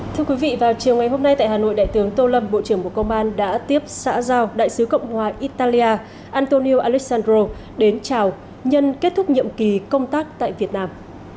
thưa quý vị vào chiều ngày hôm nay tại hà nội đại tướng tô lâm bộ trưởng bộ công an đã tiếp xã giao đại sứ cộng hòa italia antonio alessandro đến chào nhân kết thúc nhiệm kỳ công tác tại việt nam